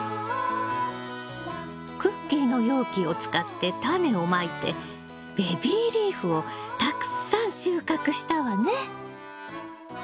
クッキーの容器を使ってタネをまいてベビーリーフをたくさん収穫したわね。